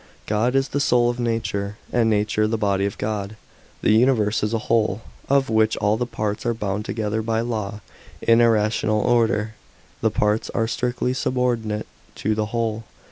God is the soul of nature, and nature the body of God. The uni verse is a whole, of which all the parts are bound together by law in a rational order. The parts arc strictly subordinate to the whole.